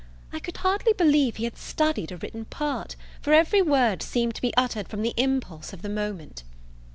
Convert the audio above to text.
I could hardly believe he had studied a written part, for every word seemed to be uttered from the impulse of the moment.